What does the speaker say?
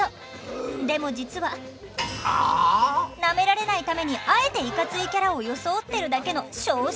でも実はなめられないためにあえていかついキャラを装ってるだけの小心者。